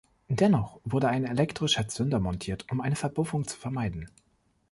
Dennoch wurde ein elektrischer Zünder montiert, um eine Verpuffung zu vermeiden.